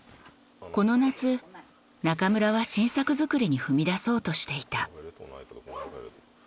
この夏中村は新作づくりに踏み出そうとしていた。